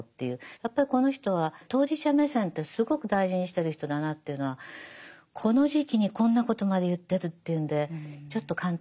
やっぱりこの人は当事者目線ってすごく大事にしてる人だなっていうのはこの時期にこんなことまで言ってるっていうんでちょっと感嘆しましたね。